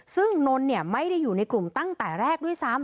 ซึ่งนนท์ไม่ได้อยู่ในกลุ่มตั้งแต่แรกด้วยซ้ำ